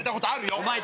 お前。